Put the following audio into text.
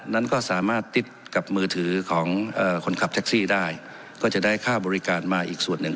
นั้นก็สามารถติดกับมือถือของคนขับแท็กซี่ได้ก็จะได้ค่าบริการมาอีกส่วนหนึ่ง